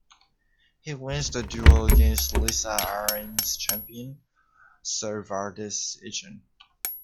He wins the duel against Lysa Arryn's champion, Ser Vardis Egen.